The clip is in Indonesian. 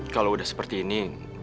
kalau udah seperti ini